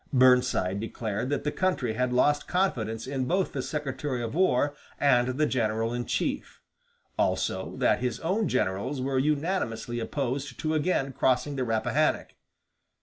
Burnside declared that the country had lost confidence in both the Secretary of War and the general in chief; also, that his own generals were unanimously opposed to again crossing the Rappahannock.